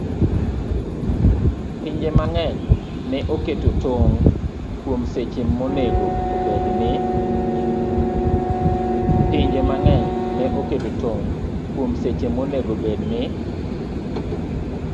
Pinje mang'eny ne oketo tong' kuom seche monego obed ni